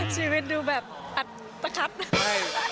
ชีวิตดูแบบอัตรัพธุ์